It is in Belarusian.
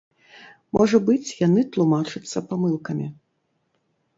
Можа быць, яны тлумачацца памылкамі.